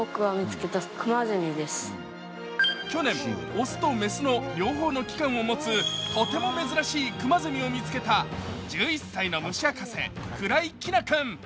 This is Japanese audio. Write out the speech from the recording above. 去年、雄と雌の両方の器官を持つとても珍しいクマゼミを見つけた１１歳の虫博士、鞍井希凪君。